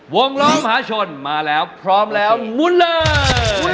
วงล้อมหาชนมาแล้วพร้อมแล้วมุนเลย